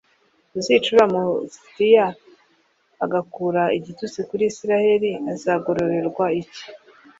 uzica uriya mu lisitiya h agakura igitutsi kuri isirayeli i azagororerwa iki